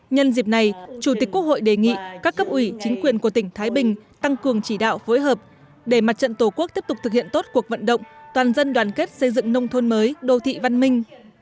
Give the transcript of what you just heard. nhân dịp này chủ tịch quốc hội đề nghị các cấp ủy chính quyền của tỉnh thái bình tăng cường chỉ đạo phối hợp để mặt trận tổ quốc tiếp tục thực hiện tốt cuộc vận động toàn dân đoàn kết xây dựng nông thôn mới đô thị văn minh